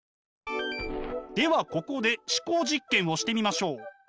ではここで思考実験をしてみましょう！